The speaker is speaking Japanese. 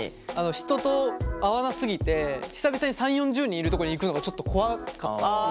人と会わな過ぎて久々に３０４０人いるとこに行くのがちょっと怖かった。